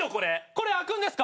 これ開くんですか！？